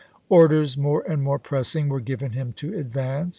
Orders more and more pressing were given him to advance.